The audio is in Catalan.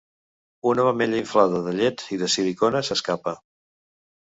Una mamella inflada de llet i de silicona s'escapa.